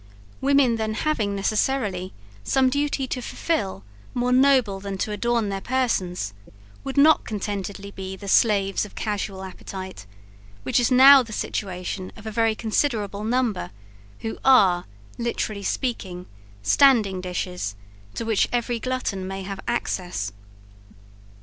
Women then having necessarily some duty to fulfil, more noble than to adorn their persons, would not contentedly be the slaves of casual appetite, which is now the situation of a very considerable number who are, literally speaking, standing dishes to which every glutton may have access.